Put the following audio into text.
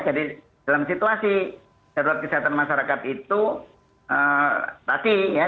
jadi dalam situasi darurat kesehatan masyarakat itu pasti ya